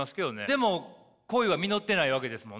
でも恋は実ってないわけですもんね。